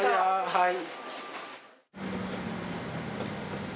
はい。